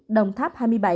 đồng tháp hai mươi bảy